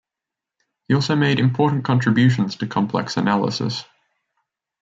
He also made important contributions to complex analysis.